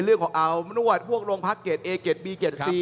เรื่องของเอาลงภาคเกียรติ